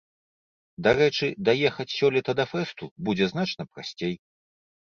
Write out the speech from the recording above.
Дарэчы, даехаць сёлета да фэсту будзе значна прасцей.